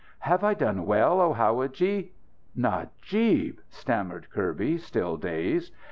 Have I done well, oh, howadji?" "Najib!" stammered Kirby, still dazed.